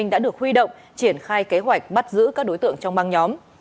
đã được huy động triển khai kế hoạch bắt giữ các đối tượng trong băng nhóm